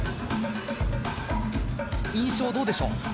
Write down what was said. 印象どうでしょう？